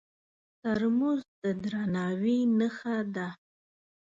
ترموز د درناوي نښه ده.